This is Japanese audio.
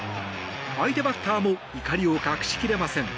相手バッターも怒りを隠しきれません。